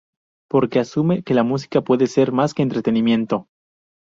Porque asume que la música puede ser más que entretenimiento.